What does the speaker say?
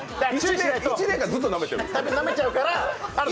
１年間、ずっとなめてるんですか？